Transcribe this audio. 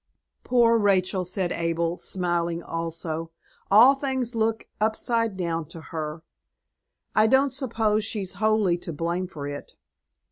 "Poor Rachel!" said Abel, smiling also, "all things look upside down to her. I don't suppose she's wholly to blame for it.